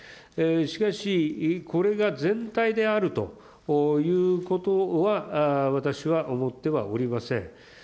しかし、これが全体であるということは、私は思ってはおりません。